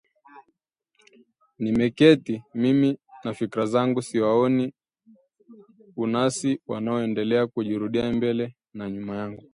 Nimeketi mimi na fikra zangu siwaoni unasi wanaoenda wakirudi mbele na nyuma yangu